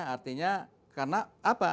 artinya karena apa